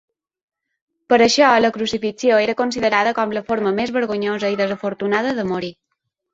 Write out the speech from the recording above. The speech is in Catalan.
Per això la crucifixió era considerada com la forma més vergonyosa i desafortunada de morir.